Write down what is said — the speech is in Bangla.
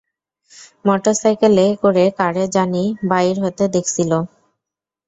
মোটরসাইকেলে করে কারে জানি বাইর হইতে দেখসিল।